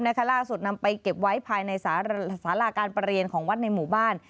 ล่าสุดนำไปเก็บไว้ภายในสาราการประเรียนของวัดในหมู่บ้าน